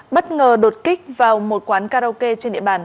bất ngờ đột kích vào một quán karaoke trên địa bàn